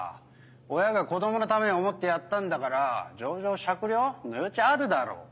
親が子供のためを思ってやったんだから情状酌量？の余地あるだろ。